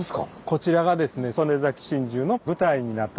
こちらがですね